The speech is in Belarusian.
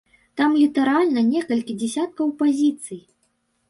Там літаральна некалькі дзясяткаў пазіцый.